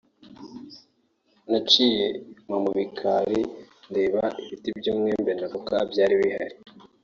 naciye inyuma mu gikari ndeba ibiti by’umwembe n’avoka byari bihari